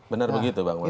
benar begitu bang masinon